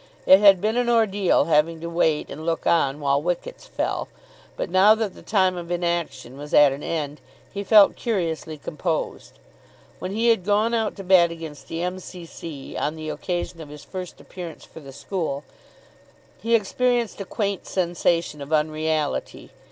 It had been an ordeal having to wait and look on while wickets fell, but now that the time of inaction was at an end he felt curiously composed. When he had gone out to bat against the M.C.C. on the occasion of his first appearance for the school, he experienced a quaint sensation of unreality.